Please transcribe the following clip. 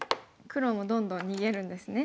黒もどんどん逃げるんですね。